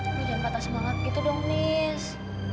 lo jangan patah semangat gitu dong nis